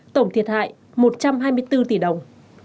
tổng thiệt hại một trăm hai mươi bốn tỷ đồng